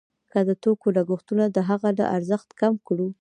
که د توکو لګښتونه د هغه له ارزښت کم کړو